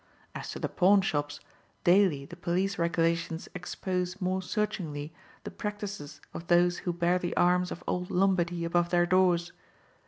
As to the pawnshops, daily the police regulations expose more searchingly the practices of those who bear the arms of old Lombardy above their doors.